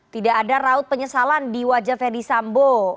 tidak ada raut penyesalan di wajah ferdisambo